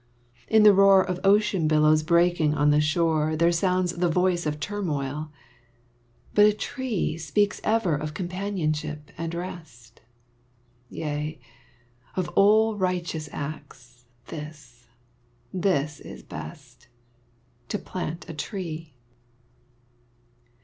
In the roar Of ocean billows breaking on the shore There sounds the voice of turmoil. But a tree Speaks ever of companionship and rest. Yea, of all righteous acts, this, this is best, To plant a tree.